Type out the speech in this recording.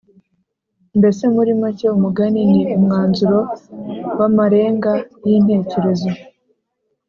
.Mbese muri make umugani ni umwanzuro w’amarenga y’intekerezo